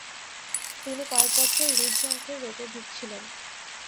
তিনি কয়েক বছর হৃদযন্ত্রের রোগে ভুগছিলেন।